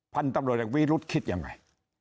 พันธ์ตำรวจแหลกวิรุษคิดอย่างไง